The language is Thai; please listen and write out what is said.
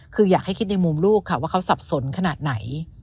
คืออยากให้คิดในมุมลูกค่ะว่าเขาสับสนขนาดไหน